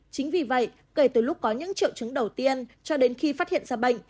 chính vì vậy kể từ lúc có những triệu chứng đầu tiên cho đến khi phát hiện ra bệnh